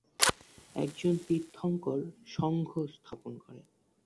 একজন তীর্থঙ্কর ‘সংঘ’ স্থাপন করেন।